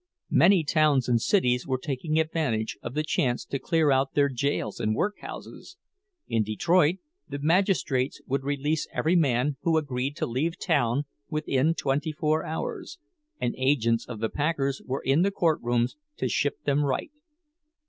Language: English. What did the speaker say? Many towns and cities were taking advantage of the chance to clear out their jails and workhouses—in Detroit the magistrates would release every man who agreed to leave town within twenty four hours, and agents of the packers were in the courtrooms to ship them right.